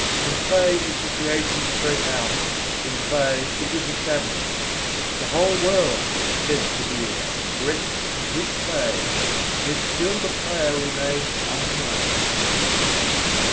In play is the Creation spread out, in play it is established. The whole world, says Kabîr, rests in His play, yet still the Player remains unknown.